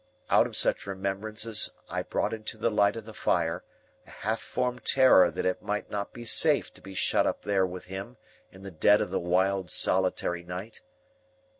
Out of such remembrances I brought into the light of the fire a half formed terror that it might not be safe to be shut up there with him in the dead of the wild solitary night.